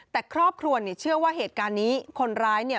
แต่ครอบครวนเชื่อว่าเหตุการณ์นี้